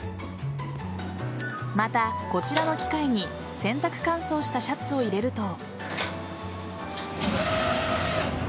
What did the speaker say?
また、こちらの機械に洗濯乾燥したシャツを入れると。